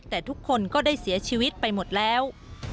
แต่ทุกคนก็ได้เสียชีวิตไปหมดแล้ว